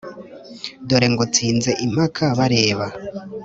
Dore ngutsinze impaka bareba,